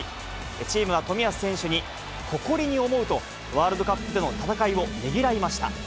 チームは冨安選手に、誇りに思うと、ワールドカップの戦いをねぎらいました。